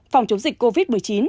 phòng chống dịch covid một mươi chín